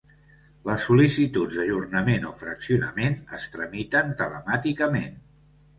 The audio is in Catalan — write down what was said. Les sol·licituds d'ajornament o fraccionament es tramiten telemàticament.